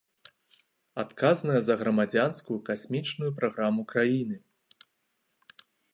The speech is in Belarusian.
Адказная за грамадзянскую касмічную праграму краіны.